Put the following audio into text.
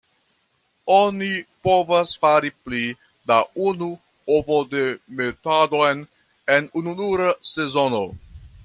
Oni povas fari pli da unu ovodemetadon en ununura sezono.